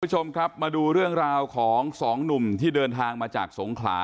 คุณผู้ชมครับมาดูเรื่องราวของสองหนุ่มที่เดินทางมาจากสงขลา